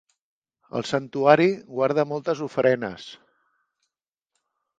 El santuari guarda moltes ofrenes.